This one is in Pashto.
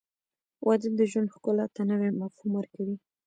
• واده د ژوند ښکلا ته نوی مفهوم ورکوي.